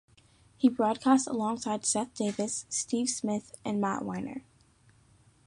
He broadcast alongside Seth Davis, Steve Smith, and Matt Winer.